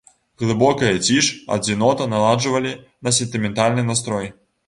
Глыбокая ціш, адзінота наладжвалі на сентыментальны настрой.